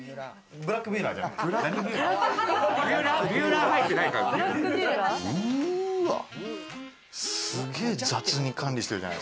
ブラックビューラーじゃない。